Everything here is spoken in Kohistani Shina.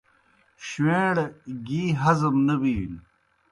شُویݩڑ گی ہضم نہ بِینوْ